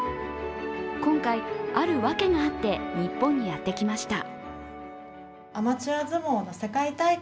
今回、あるわけがあって日本にやって来ました。